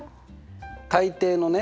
大抵のね